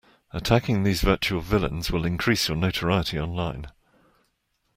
Attacking these virtual villains will increase your notoriety online.